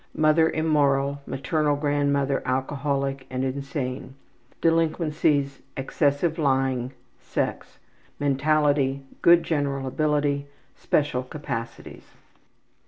mother immoral, maternal grandmother alcoholic and insane. Delinquencies: Mentality: Excessive lying. Good general ability, Sex. special capacities.